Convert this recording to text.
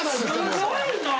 すごいなぁ！